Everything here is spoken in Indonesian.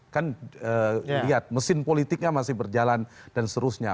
kan lihat mesin politiknya masih berjalan dan seterusnya